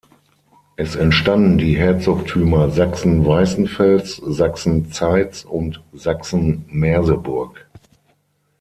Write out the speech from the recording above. Es entstanden die Herzogtümer Sachsen-Weißenfels, Sachsen-Zeitz und Sachsen-Merseburg.